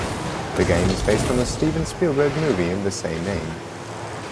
The game is based on the Steven Spielberg movie of the same name.